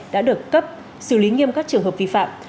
đã được cấp xử lý nghiêm các trường hợp vi phạm